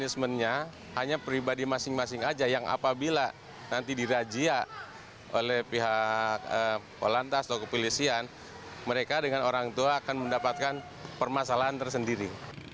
sebagai pelantas atau kepolisian mereka dengan orang tua akan mendapatkan permasalahan tersendiri